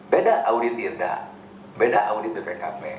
beda audit indah beda audit bpkp